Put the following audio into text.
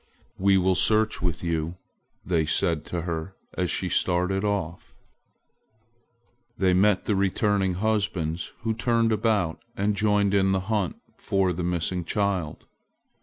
"We will search with you," they said to her as she started off. They met the returning husbands, who turned about and joined in the hunt for the missing child.